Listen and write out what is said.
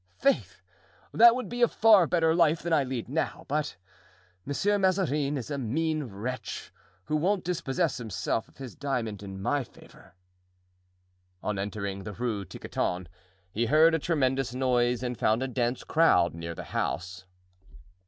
Faith! that would be a far better life than I lead now; but Monsieur Mazarin is a mean wretch, who won't dispossess himself of his diamond in my favor." On entering the Rue Tiquetonne he heard a tremendous noise and found a dense crowd near the house.